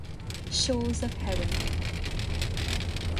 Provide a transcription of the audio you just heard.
'Shoals of Herring'.